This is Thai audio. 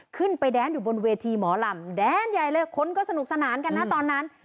แดนอยู่บนเวทีหมอลำแดนใหญ่เลยคนก็สนุกสนานกันนะตอนนั้น